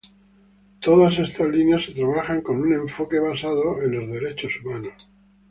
Todas estas líneas se trabajan con un enfoque basado en los derechos humanos.